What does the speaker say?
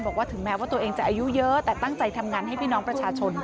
ถึงแม้ว่าตัวเองจะอายุเยอะแต่ตั้งใจทำงานให้พี่น้องประชาชน